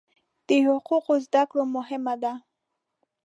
د حقوقو زده کړه مهمه ده.